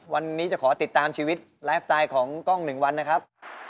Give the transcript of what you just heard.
วันนี้จะขอติดตามชีวิตไลฟ์สไตล์ของกล้อง๑วันนะครับ